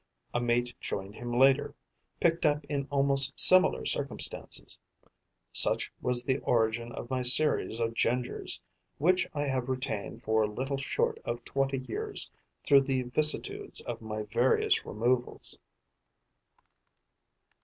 A mate joined him later, picked up in almost similar circumstances. Such was the origin of my series of Gingers, which I have retained for little short of twenty years through the vicissitudes of my various removals.